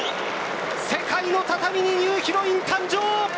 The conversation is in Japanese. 世界の畳にニューヒロイン誕生。